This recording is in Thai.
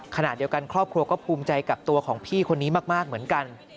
ขณะเดียวกันครอบครัวก็ภูมิใจกับตัวของพี่คนนี้มากเหมือนกัน